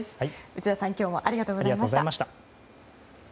内田さん、今日もありがとうございました。